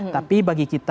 tapi bagi kita